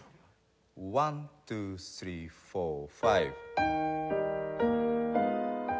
ワンツースリーフォーファイブ。